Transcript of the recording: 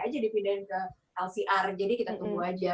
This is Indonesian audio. jadi kita tunggu aja